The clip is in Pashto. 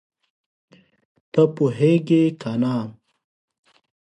ته پوهېږې که نه؟